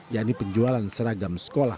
yaitu penjualan seragam sekolah